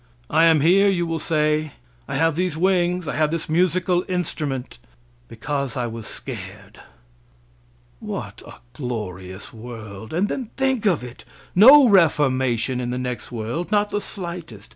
"I am here," you will say, "I have these wings, I have this musical instrument, because I was scared." What a glorious world; and then think of it! No reformation in the next world not the slightest.